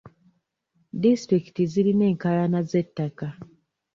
Disitulikiti zirina enkaayana z'ettaka.